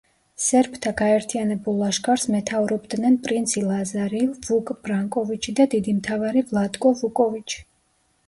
სერბთა გაერთიანებულ ლაშქარს მეთაურობდნენ პრინცი ლაზარი, ვუკ ბრანკოვიჩი და დიდი მთავარი ვლატკო ვუკოვიჩი.